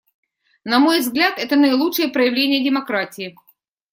На мой взгляд, это наилучшее проявление демократии.